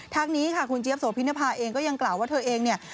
ทางนี้ค่ะคุณเจี๊ยบโสพินภาเองก็ยังกล่าวว่าเธอเองเนี่ย